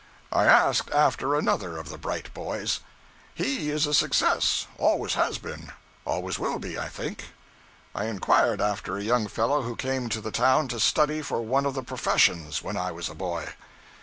I asked after another of the bright boys. 'He is a success, always has been, always will be, I think.' I inquired after a young fellow who came to the town to study for one of the professions when I was a boy.